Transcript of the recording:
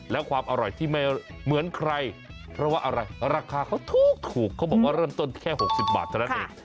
แล้วความอร่อยที่ไม่เหมือนใครเพราะว่าอะไรราคาเขาถูกเขาบอกว่าเริ่มต้นแค่๖๐บาทเท่านั้นเอง